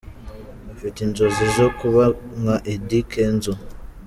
Afite inzozi zo kuba nka Eddy Kenzo.